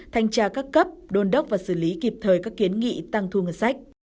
thanh tra các cấp đôn đốc và xử lý kịp thời các kiến nghị tăng thu ngân sách